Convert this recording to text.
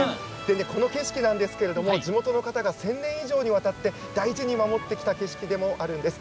この景色なんですが地元の方が１０００年以上にわたって大事に守ってきた景色でもあるんです。